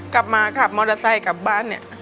กลับมาขับรถไซค์กลับบ้าน